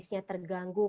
kita harus berhati hati